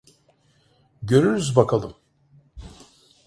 Görürüz bakalım.